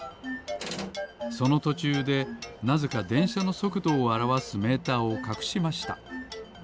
そのとちゅうでなぜかでんしゃのそくどをあらわすメーターをかくしました。